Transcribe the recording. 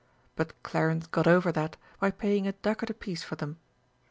But Clarence got over that by paying a ducat apiece for them.